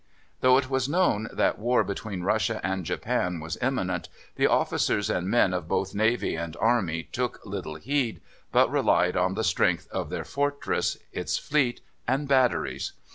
Though it was known that war between Russia and Japan was imminent, the officers and men of both navy and army took little heed, but relied on the strength of their fortress, its fleet, and batteries.